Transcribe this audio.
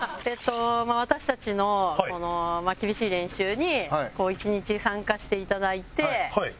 私たちのこの厳しい練習に一日参加していただいて。